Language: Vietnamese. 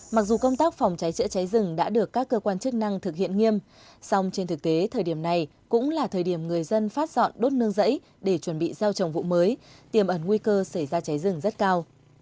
mặc dù công tác phòng cháy chữa cháy rừng đã được các cơ quan chức năng thực hiện nghiêm song trên thực tế thời điểm này cũng là thời điểm người dân phát dọn đốt nương dẫy để chuẩn bị gieo trồng vụ mới tiềm ẩn nguy cơ xảy ra cháy rừng rất cao